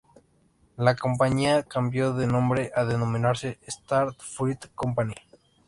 La compañía cambio de nombre a denominarse Standard Fruit Company.